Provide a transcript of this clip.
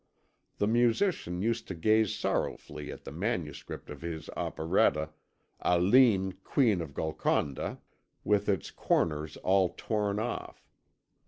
The musician used to gaze sorrowfully at the manuscript of his operetta, Aline, Queen of Golconda, with its corners all torn off.